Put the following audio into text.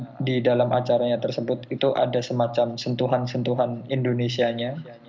karena di dalam acaranya tersebut itu ada semacam sentuhan sentuhan indonesia nya